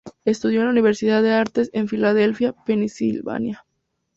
Estudió en la Universidad de Artes en Filadelfia, Pennsylvania.